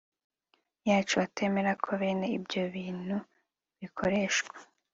yacu atemera ko bene ibyo bintu bikoreshwa